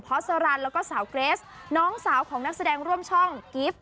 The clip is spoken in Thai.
พอสอรันแล้วก็สาวเกรสน้องสาวของนักแสดงร่วมช่องกิฟต์